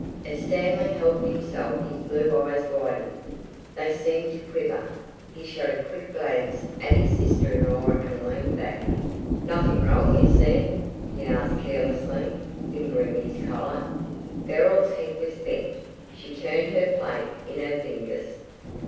As Stanley helped himself his blue eyes widened; they seemed to quiver. He shot a quick glance at his sister in law and leaned back. "Nothing wrong, is there?" he asked carelessly, fingering his collar. Beryl's head was bent; she turned her plate in her fingers.